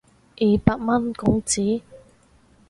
二百蚊港紙